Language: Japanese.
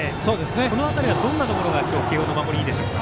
この辺りはどんなところが慶応の守りいいでしょうか。